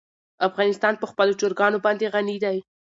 افغانستان په خپلو چرګانو باندې غني دی.